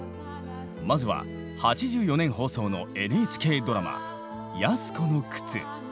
まずは８４年放送のＮＨＫドラマ「安寿子の靴」。